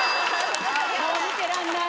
もう見てらんない。